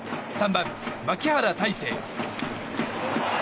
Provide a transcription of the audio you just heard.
３番、牧原大成。